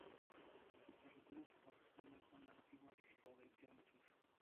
Sus territorios se corresponden con la antigua Rodesia del Sur.